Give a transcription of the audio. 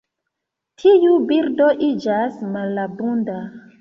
Tiu birdo iĝas malabunda.